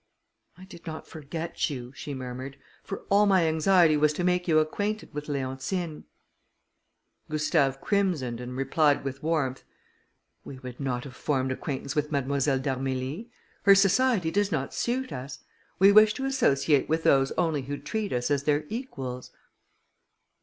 "I did not forget you," she murmured, "for all my anxiety was to make you acquainted with Leontine." Gustave crimsoned, and replied with warmth, "We would not have formed acquaintance with Mademoiselle d'Armilly. Her society does not suit us. We wish to associate with those only who treat us as their equals."